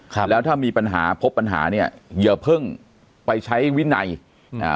ครับแล้วถ้ามีปัญหาพบปัญหาเนี้ยอย่าเพิ่งไปใช้วินัยอืมอ่า